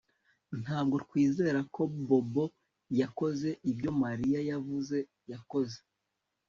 Ntabwo twizera ko Bobo yakoze ibyo Mariya yavuze ko yakoze